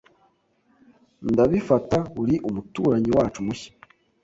Ndabifata uri umuturanyi wacu mushya.